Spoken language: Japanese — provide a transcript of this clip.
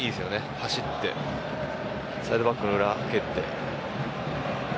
走ってサイドバックの裏に蹴って。